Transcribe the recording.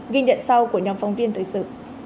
ghi nhận sau của nhóm phóng viên thời sự